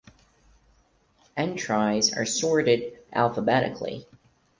Entries are sorted alphabetically.